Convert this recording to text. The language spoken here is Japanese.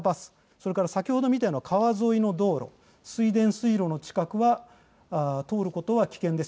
それから先程見たような川沿いの道路、水田水路の近くは通ることは危険です。